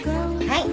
はい。